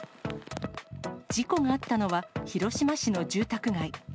事故があったのは、広島市の住宅街。